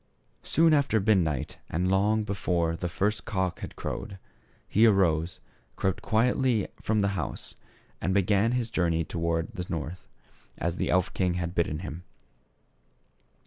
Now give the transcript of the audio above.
Soon after midnight and long before the first cock had crowed, he arose, crept quietly from the house, and began his journey towards the North, as the elf king had bidden him.